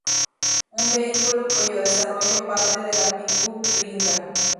Un vehículo cuyo desarrollo parte de la pick up Gringa.